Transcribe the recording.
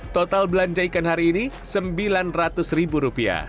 total belanja ikan hari ini sembilan ratus ribu rupiah